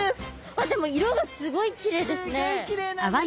あっでも色がすごいきれいですね。